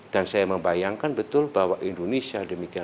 dan saya membayangkan betul bahwa indonesia demikian